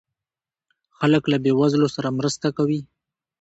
خلک له بې وزلو سره مرسته کوي.